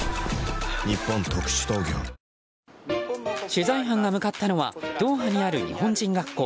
取材班が向かったのはドーハにある日本人学校。